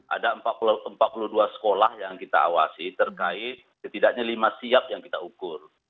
ada empat puluh dua sekolah yang kita awasi terkait setidaknya lima siap yang kita ukur